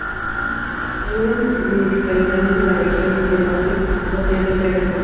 Algunas municipalidades de la Región del Maule poseen banderas propias.